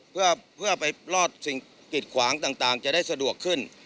เพื่อไปรอดสิ่งกิดขวางต่างจะได้สะดวกขึ้น